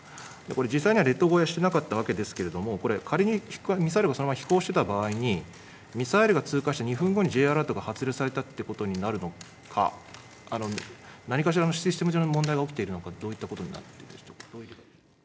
これ、実際には列島越えをしてなかったわけですけれども、仮にミサイルがそのまま飛行してた場合に、ミサイルが通過した２分後にＪアラートが発令されたということになるのか、何かしらのシステム上の問題が起きているのか、どういったことになるんでしょうか。